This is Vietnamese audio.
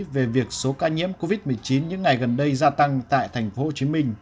về việc số ca nhiễm covid một mươi chín những ngày gần đây gia tăng tại tp hcm